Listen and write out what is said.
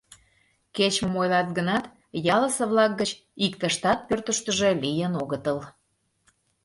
Кеч-мом ойлат гынат, ялысе-влак гыч иктыштат пӧртыштыжӧ лийын огытыл.